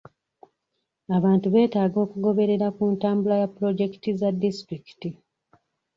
Abantu betaaga okugoberera ku ntambula ya pulojekiti za disitulikiti.